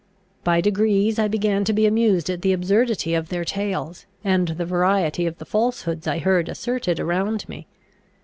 By degrees I began to be amused at the absurdity of their tales, and the variety of the falsehoods I heard asserted around me.